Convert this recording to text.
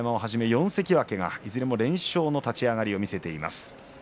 ４関脇が全勝の立ち上がりを見せています。